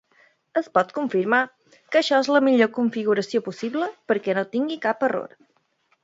Es pot confirmar, que això és la millor configuració possible perquè no tingui cap error.